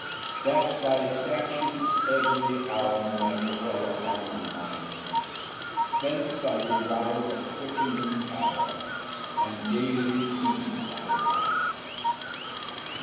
Ver. 93. That thy statutes every hour Might dwell upon my mind! Thence I derive a quickening power, And daily peace I find.